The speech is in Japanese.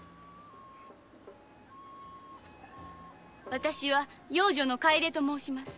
私は養女の楓と申します。